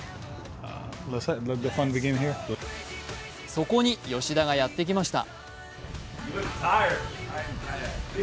そこに吉田がやってきました。